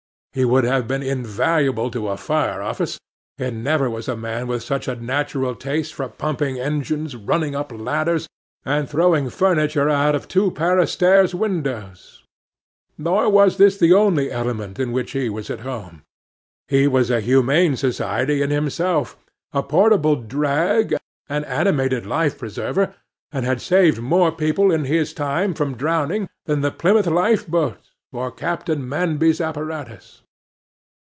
He would have been invaluable to a fire office; never was a man with such a natural taste for pumping engines, running up ladders, and throwing furniture out of two pair of stairs' windows: nor was this the only element in which he was at home; he was a humane society in himself, a portable drag, an animated life preserver, and had saved more people, in his time, from drowning, than the Plymouth life boat, or Captain Manby's apparatus.